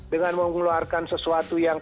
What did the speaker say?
dengan mengeluarkan sesuatu yang